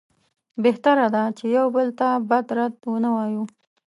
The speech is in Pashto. بهتره ده چې یو بل ته بد رد ونه وایو.